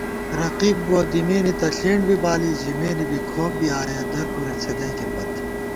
رقیب بُوَہ دِمېنےتہ ݪینڈ بی بالی ژِمېنےبی کھوپ بی آیَہ درپُرے څھدَئیکےپت